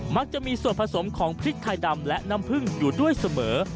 มักจะมีส่วนผสมของพริกไทยดำและน้ำผึ้งอยู่ด้วยเสมอ